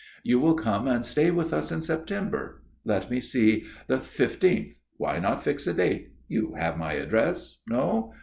"You will come and stay with us in September. Let me see? The fifteenth. Why not fix a date? You have my address? No?